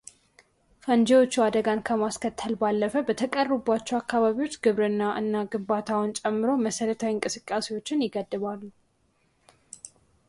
ፈንጂዎቹ አደጋን ከማስከተል ባለፈ በተቀበሩባቸው አካባቢዎች ግብርና እና ግንባታን ጨምሮ መሠረታዊ እንቅስቃሴዎችን ይገድባሉ።